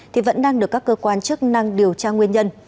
thì vẫn đang được các cơ quan chức năng điều tra nguyên nhân